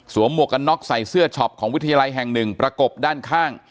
หมวกกันน็อกใส่เสื้อช็อปของวิทยาลัยแห่งหนึ่งประกบด้านข้าง